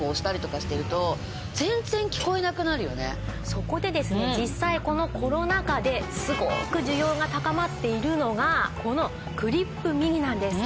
そこでですね実際このコロナ禍ですごく需要が高まっているのがこのクリップ・ミニなんです。